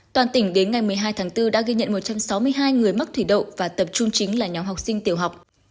toàn tỉnh đến ngày một mươi hai tháng bốn đã ghi nhận một trăm sáu mươi hai người mắc thủy đậu và tập trung chính là nhóm học sinh tiểu học